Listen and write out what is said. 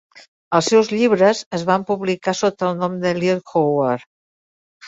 Els seus llibres es va publicar sota el nom de "Eliot Howard".